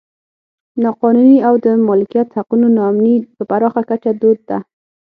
نا قانوني او د مالکیت حقونو نا امني په پراخه کچه دود ده.